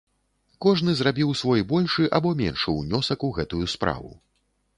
Кожны зрабіў свой большы або меншы ўнёсак у гэтую справу.